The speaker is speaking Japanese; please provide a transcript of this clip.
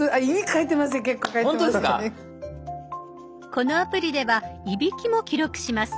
このアプリでは「いびき」も記録します。